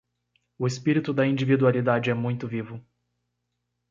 O espírito da individualidade é muito vivo.